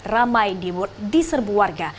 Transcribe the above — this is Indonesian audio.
ramai di serbu warga